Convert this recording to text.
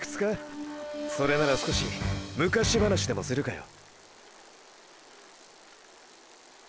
それなら少し昔話でもするかよ。